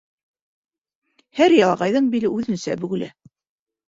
Һәр ялағайҙың биле үҙенсә бөгөлә.